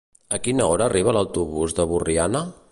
A quina hora arriba l'autobús de Borriana?